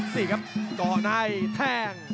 นี่ครับเจาะในแทง